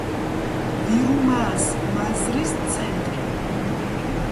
ვირუმაას მაზრის ცენტრი.